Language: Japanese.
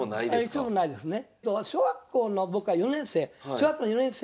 一度もないですね。